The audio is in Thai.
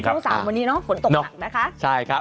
คลุมสั่งวันนี้ฝนตกหนักนะคะดีครับอ่ะดีครับ